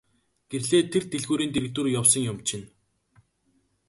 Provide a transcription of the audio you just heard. Гэрлээ тэр дэлгүүрийн дэргэдүүр явсан юм чинь.